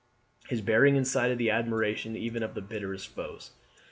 His bearing excited the admiration even of his bitterest foes.